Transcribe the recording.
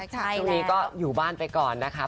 ช่วงนี้ก็อยู่บ้านไปก่อนนะคะ